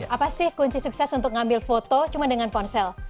apa sih kunci sukses untuk ngambil foto cuma dengan ponsel